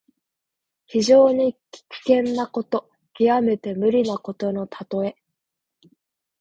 非常に危険なこと、きわめて無理なことのたとえ。